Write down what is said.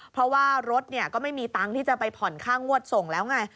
เพราะว่ารถก็ไม่มีตังค์ที่จะไปผ่อนค่างวดส่งแล้วไง